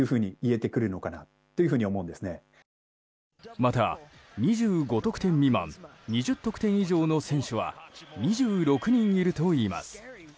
また、２５得点未満２０得点以上の選手は２６人いるといいます。